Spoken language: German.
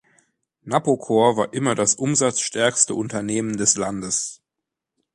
Napocor war immer das umsatzstärkste Unternehmen des Landes.